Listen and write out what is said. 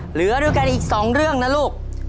เหลือด้วยกันอีก๒เรื่องนะลูก